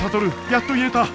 やっと言えた！